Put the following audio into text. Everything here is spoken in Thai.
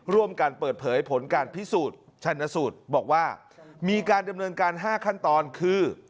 ร่วมกันเปิดเผยผลการพิสูจน์ชันสูตรบอกว่ามีการดำเนินการ๕ขั้นตอนคือ